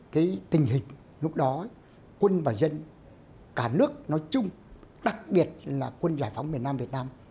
cái tình hình lúc đó quân và dân cả nước nói chung đặc biệt là quân giải phóng miền nam việt nam